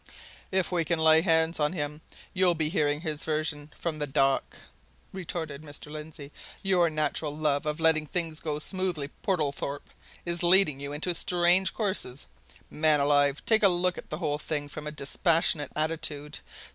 "If we can lay hands on him, you'll be hearing his version from the dock!" retorted Mr. Lindsey. "Your natural love of letting things go smoothly, Portlethorpe, is leading you into strange courses! Man alive! take a look at the whole thing from a dispassionate attitude!